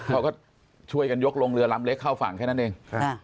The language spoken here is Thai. เขาก็ช่วยกันยกลงเรือลำเล็กเข้าฝั่งแค่นั้นเอง